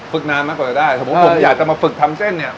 นานมากกว่าจะได้สมมุติผมอยากจะมาฝึกทำเส้นเนี่ย